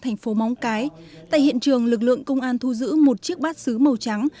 thành phố móng cái tại hiện trường lực lượng công an thu giữ một chiếc bát xứ màu trắng